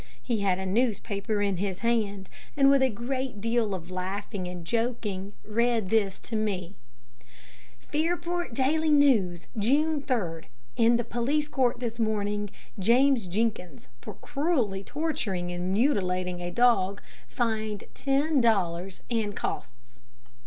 He had a newspaper in his hand, and with a great deal of laughing and joking, read this to me: "'Fairport Daily News', June 3d. In the police court this morning, James Jenkins, for cruelly torturing and mutilating a dog, fined ten dollars and costs."